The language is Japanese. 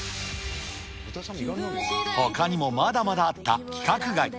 ほかにもまだまだあった規格外。